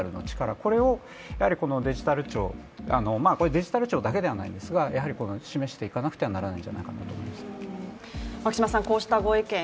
これをデジタル庁、デジタル庁だけではないんですが示していかなくてはならないんじゃないかと思います。